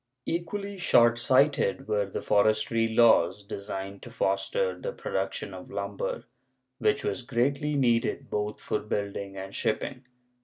Equally short sighted were the forestry laws, designed to foster the production of lumber, which was greatly needed both for building and shipping.